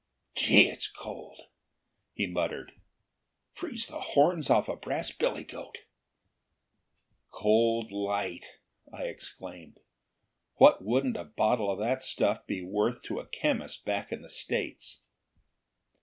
"Gee, it's cold!" he muttered. "Freeze the horns off a brass billy goat!" "Cold light!" I exclaimed. "What wouldn't a bottle of that stuff be worth to a chemist back in the States!"